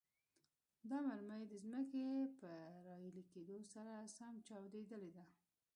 دا مرمۍ د ځمکې پر راایلې کېدو سره سم چاودیدلې.